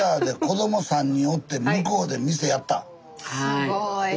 すごい。